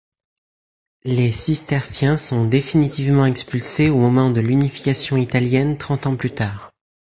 Les cisterciens sont définitivement expulsés au moment de l'unification italienne trente ans plus tard.